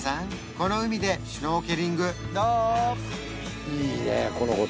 この海でシュノーケリングどう？